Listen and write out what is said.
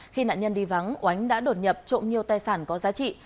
khi nạn nhân đi vắng oánh đã đột nhập trộm nhiều tài sản có giá trị